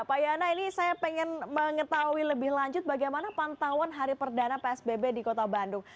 pak yana ini saya ingin mengetahui lebih lanjut bagaimana pantauan hari perdana psbb di kota bandung